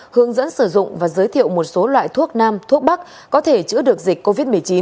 hướng dẫn sử dụng và giới thiệu một số loại thuốc nam thuốc bắc có thể chữa được dịch covid một mươi chín